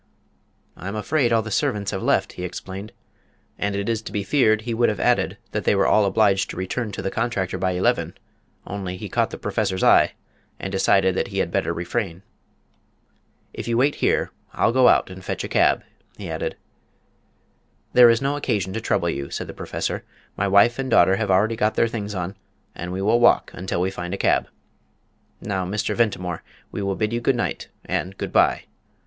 "I'm afraid all the servants have left," he explained; and it is to be feared he would have added that they were all obliged to return to the contractor by eleven, only he caught the Professor's eye and decided that he had better refrain. "If you will wait here, I'll go out and fetch a cab," he added. "There is no occasion to trouble you," said the Professor; "my wife and daughter have already got their things on, and we will walk until we find a cab. Now, Mr. Ventimore, we will bid you good night and good bye.